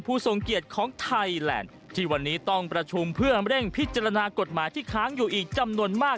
ทรงเกียรติของไทยแลนด์ที่วันนี้ต้องประชุมเพื่อเร่งพิจารณากฎหมายที่ค้างอยู่อีกจำนวนมาก